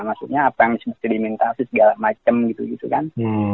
maksudnya apa yang sedimentasi segala macem gitu kan